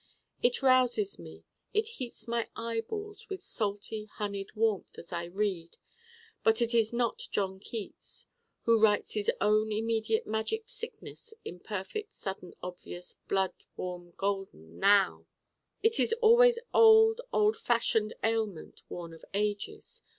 It rouses me it heats my eyeballs with salty honeyed warmth as I read: but it is not John Keats: who writes his own immediate magic sickness in perfect sudden obvious blood warm golden Now! It is always old, old fashioned ailment, worn of ages.